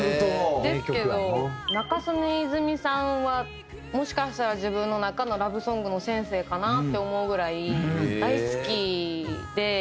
仲宗根泉さんはもしかしたら自分の中のラブソングの先生かなって思うぐらい大好きで。